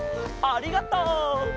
ありがとう！